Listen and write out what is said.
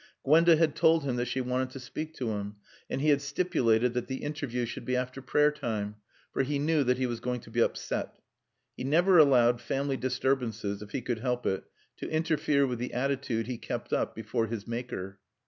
Gwenda had told him that she wanted to speak to him, and he had stipulated that the interview should be after prayer time, for he knew that he was going to be upset. He never allowed family disturbances, if he could help it, to interfere with the attitude he kept up before his Maker.